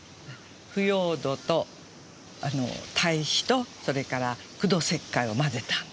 腐葉土とあの堆肥とそれから苦土石灰を混ぜてあるの。